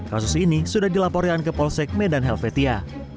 kasus ini sudah dilaporkan ke polsek medan helvetia